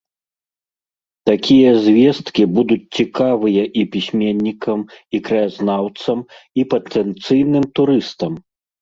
Такія звесткі будуць цікавыя і пісьменнікам, і краязнаўцам, і патэнцыйным турыстам.